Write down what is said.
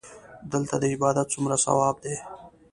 دلته د عبادت څومره ثواب دی.